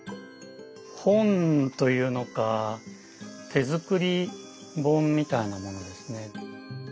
本というのか手作り本みたいなものですね。